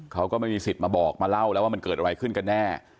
เขาก็ไม่มีสิทธิ์มาบอกมาเล่าแล้วว่ามันเกิดอะไรขึ้นกันแน่